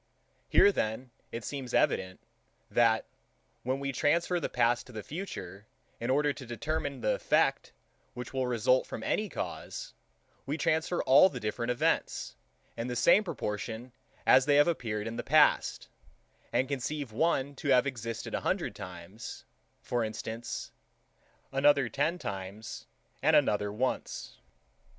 Here then it seems evident, that, when we transfer the past to the future, in order to determine the effect, which will result from any cause, we transfer all the different events, in the same proportion as they have appeared in the past, and conceive one to have existed a hundred times, for instance, another ten times, and another once.